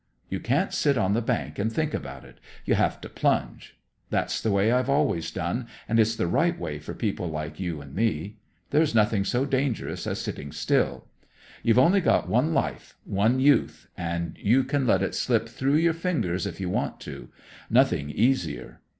You can't sit on the bank and think about it. You have to plunge. That's the way I've always done, and it's the right way for people like you and me. There's nothing so dangerous as sitting still. You've only got one life, one youth, and you can let it slip through your fingers if you want to; nothing easier.